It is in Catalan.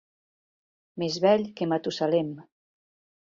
Més vell que Matusalem.